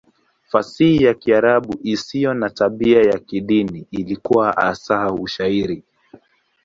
Fasihi ya Kiarabu isiyo na tabia ya kidini ilikuwa hasa Ushairi.